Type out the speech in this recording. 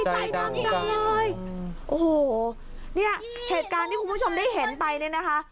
ใจดำจังเลยโอ้โหเนี่ยเหตุการณ์ที่คุณผู้ชมได้เห็นไปเนี่ยนะคะ